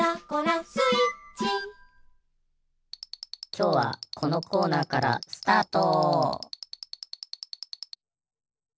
きょうはこのコーナーからスタート！